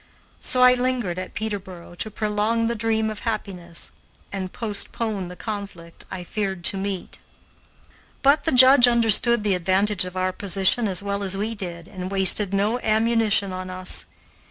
So I lingered at Peterboro to prolong the dream of happiness and postpone the conflict I feared to meet. But the Judge understood the advantage of our position as well as we did, and wasted no ammunition on us.